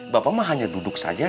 bapak mah hanya duduk saja